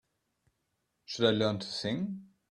Should I learn to sing?